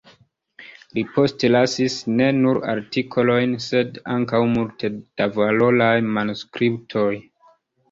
Li postlasis ne nur artikolojn, sed ankaŭ multe da valoraj manuskriptoj.